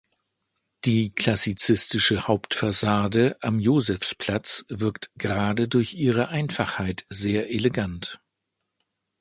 Die klassizistische Hauptfassade am Josefsplatz wirkt gerade durch ihre Einfachheit sehr elegant.